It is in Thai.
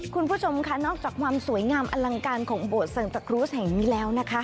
คุณผู้ชมค่ะนอกจากความสวยงามอลังการของโบสถสังตะครูสแห่งนี้แล้วนะคะ